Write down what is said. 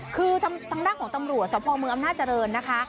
คือทางด้านของตำรวจสพเมืองอำนาจริงนะคะ